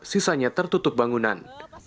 sisanya tertutup bangunan